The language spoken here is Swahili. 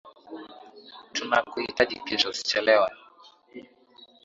Tunakuhitaji kesho, usichelewe.